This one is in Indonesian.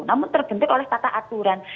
namun tergentik oleh tata aturan